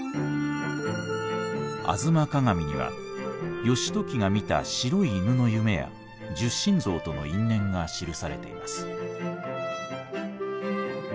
「吾妻鏡」には義時が見た白い犬の夢や戌神像との因縁が記されています。